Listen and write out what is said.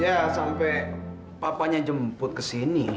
ya sampai papanya jemput ke sini